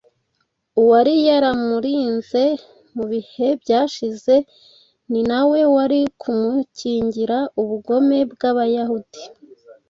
Uwari yaramurinze mu bihe byashize ni nawe wari kumukingira ubugome bw’Abayahudi